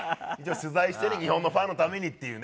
取材してね、日本のファンのためにっていうね。